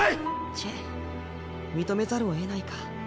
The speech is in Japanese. ちぇっ認めざるをえないか。